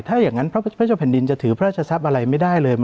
ถ้าอย่างนั้นพระเจ้าแผ่นดินจะถือพระราชทรัพย์อะไรไม่ได้เลย